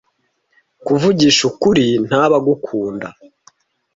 Kuvugisha ukuri, ntaba agikunda.